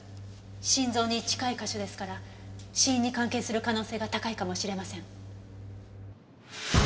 心臓に近い箇所ですから死因に関係する可能性が高いかもしれません。